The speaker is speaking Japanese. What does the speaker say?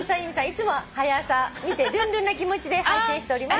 いつも『はや朝』見てルンルンな気持ちで拝見しております。